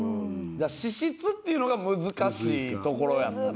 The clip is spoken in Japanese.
「資質」っていうのが難しいところやったな。